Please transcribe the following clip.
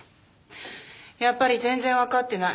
やっぱり全然わかってない。